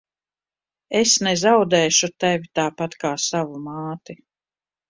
Es nezaudēšu tevi tāpat kā savu māti.